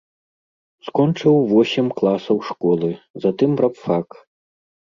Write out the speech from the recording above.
Скончыў восем класаў школы, затым рабфак.